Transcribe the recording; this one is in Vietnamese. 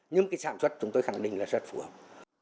nhưng cái sản xuất chúng tôi khẳng định là rất phù hợp